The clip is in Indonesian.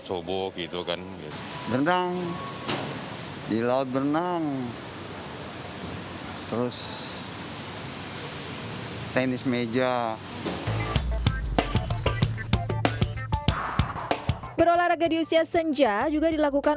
seorang kakak yang berusia